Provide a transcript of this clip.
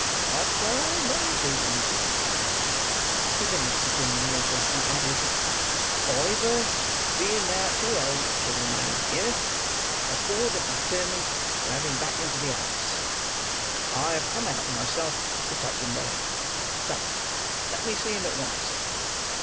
Perhaps I may be, Mrs. Mann." He finished the gin and water, and added, "Oliver being now too old to remain here, the board have determined to have him back into the house. I have come out myself to take him there. So let me see him at once."